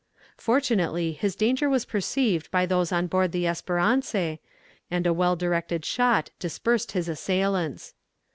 Fortunately his danger was perceived by those on board the Espérance, and a well directed shot dispersed his assaillants.